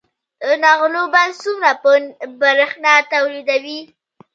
د نغلو بند څومره بریښنا تولیدوي؟